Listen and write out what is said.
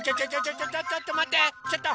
ちょっとまってちょっと！